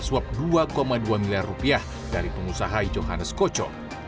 suap dua dua miliar rupiah dari pengusaha johannes koco